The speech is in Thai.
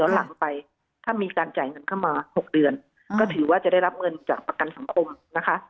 หลังไปถ้ามีการจ่ายเงินเข้ามา๖เดือนก็ถือว่าจะได้รับเงินจากประกันสังคมนะคะ